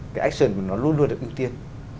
cái action của nó luôn luôn được ưu tiên